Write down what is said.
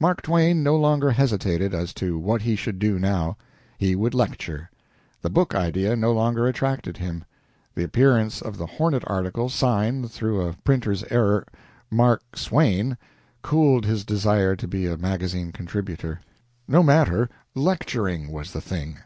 Mark Twain no longer hesitated as to what he should do now. He would lecture. The book idea no longer attracted him; the appearance of the "Hornet" article, signed, through a printer's error, "Mark Swain," cooled his desire to be a magazine contributor. No matter lecturing was the thing.